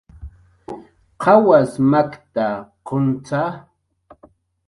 ¿Qawas makta, quntza?